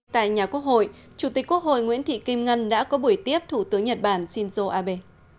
tại nhà quốc hội chủ tịch quốc hội nguyễn thị kim ngân đã có buổi tiếp thủ tướng nhật bản shinzo abe